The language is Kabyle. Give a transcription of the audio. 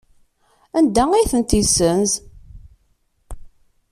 Anda ay tent-yessenz?